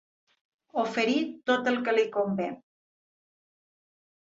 Oferir tot el que li convé.